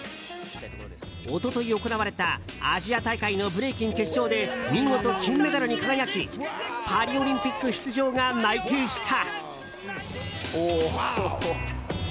一昨日、行われたアジア大会のブレイキン決勝で見事、金メダルに輝きパリオリンピック出場が内定した。